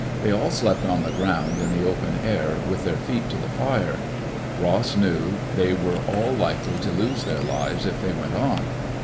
They all slept on the ground in the open air, with their feet to the fire. Ross knew they were all likely to lose their lives if they went on.